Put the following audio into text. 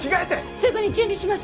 すぐに準備します